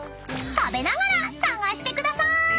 ［食べながら探してくださーい］